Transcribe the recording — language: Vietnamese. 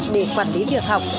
để quản lý việc học